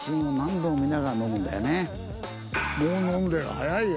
もう飲んでる早いよ。